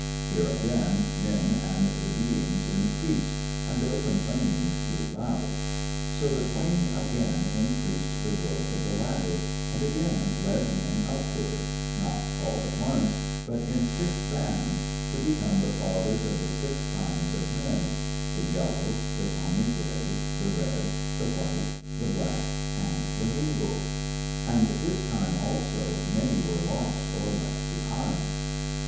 Here again men and the beings increased, and their complainings grew loud. So the Twain again increased the growth of the ladder, and again led men upward, not all at once, but in six bands, to become the fathers of the six kinds of men, the yellow, the tawny gray, the red, the white, the black, and the mingled. And this time also many were lost or left behind.